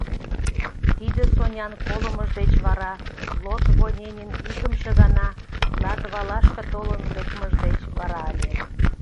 Тиде Сонян колымыж деч вара Лотвоненын икымше гана Латвалашке толын лекмыж деч вара ыле.